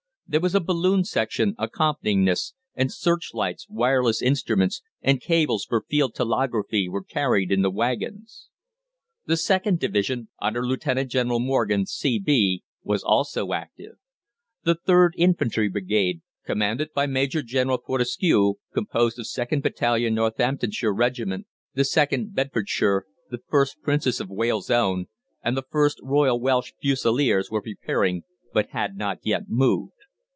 There was a balloon section accompanying this, and searchlights, wireless instruments, and cables for field telegraphy were carried in the waggons. The 2nd Division, under Lieutenant General Morgan, C.B., was also active. The 3rd Infantry Brigade, commanded by Major General Fortescue, composed of 2nd Battalion Northamptonshire Regiment, the 2nd Bedfordshire, the 1st Princess of Wales' Own, and the 1st Royal Welsh Fusiliers, were preparing, but had not yet moved.